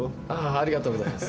ありがとうございます。